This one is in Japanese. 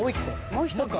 もう一つ。